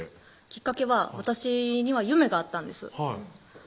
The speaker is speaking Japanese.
きっかけは私には夢があったんです